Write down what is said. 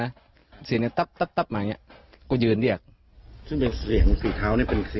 นั่งอยู่ตอนเมื่อเล็กไหน